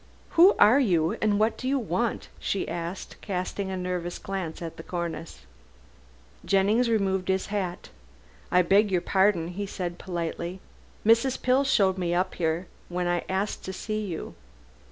"Who are you and what do you want?" she asked, casting a nervous look at the cornice. Jennings removed his hat. "I beg your pardon," he said politely. "Mrs. Pill showed me up here when I asked to see you."